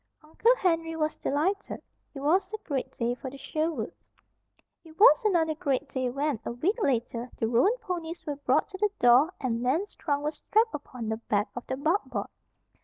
Uncle Henry was delighted. It was a great day for the Sherwoods. It was another great day when, a week later, the roan ponies were brought to the door and Nan's trunk was strapped upon the back of the buckboard.